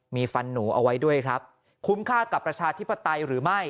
มีฟันหนูเอาไว้ด้วยครับคุ้มค่ากับประชาธิปไตยหรือไม่